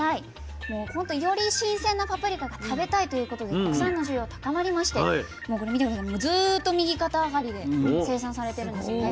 もうほんとより新鮮なパプリカが食べたいということで国産の需要高まりましてずっと右肩上がりで生産されてるんですね。